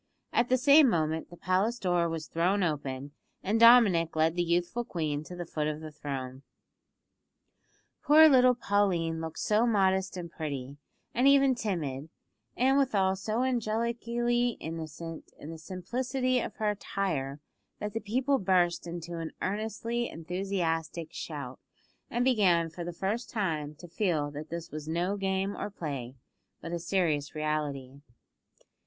At the same moment the palace door was thrown open, and Dominick led the youthful queen to the foot of the throne. Poor little Pauline looked so modest and pretty, and even timid, and withal so angelically innocent in the simplicity of her attire, that the people burst into an earnestly enthusiastic shout, and began for the first time to feel that this was no game or play, but a serious reality.